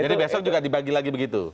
jadi besok juga dibagi lagi begitu